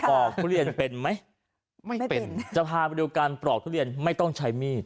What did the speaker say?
อกทุเรียนเป็นไหมไม่เป็นจะพาไปดูการปลอกทุเรียนไม่ต้องใช้มีด